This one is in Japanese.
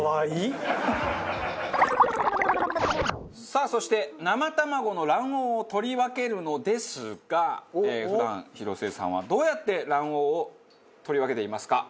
さあそして生卵の卵黄を取り分けるのですが普段広末さんはどうやって卵黄を取り分けていますか？